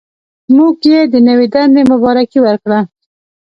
موږ یې د نوې دندې مبارکي ورکړه.